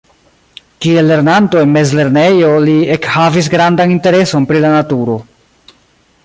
Kiel lernanto en mezlernejo li ekhavis grandan intereson pri la naturo.